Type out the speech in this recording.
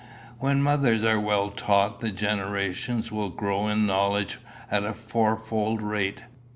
When the mothers are well taught the generations will grow in knowledge at a fourfold rate.